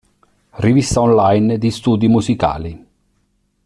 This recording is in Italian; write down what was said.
Rivista online di Studi Musicali".